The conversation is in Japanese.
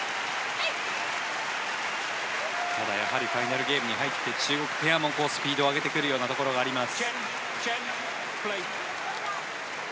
やはりファイナルゲームに入って中国ペアもスピードを上げてくるようなところもあります。